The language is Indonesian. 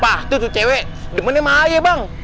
pak tuh tuh cewek demennya sama aya bang